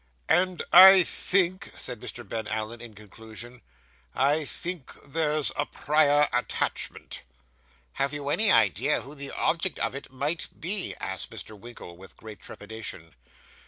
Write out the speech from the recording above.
'And I think,' said Mr. Ben Allen, in conclusion. 'I think there's a prior attachment.' 'Have you any idea who the object of it might be?' asked Mr. Winkle, with great trepidation.